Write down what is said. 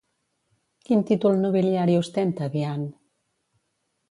Quin títol nobiliari ostenta Diane?